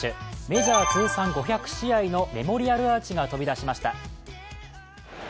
メジャー通算５００試合のメモリアルアーチが飛び出しました。